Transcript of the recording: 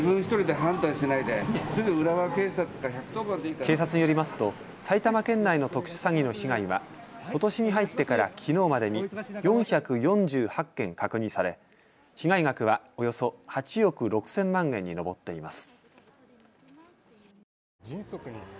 警察によりますと埼玉県内の特殊詐欺の被害はことしに入ってからきのうまでに４４８件確認され被害額はおよそ８億６０００万円に上っています。